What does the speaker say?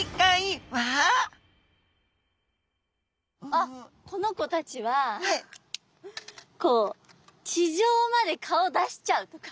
あっこの子たちはこう地上まで顔出しちゃうとか。